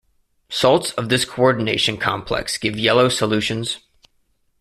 Salts of this coordination complex give yellow solutions.